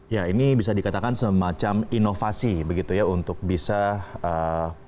ya ini bisa dikatakan semacam inovasi begitu ya untuk bisa para milenial ini ya pada akhirnya juga bisa mengakses banyak hal